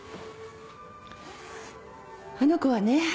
あの子はね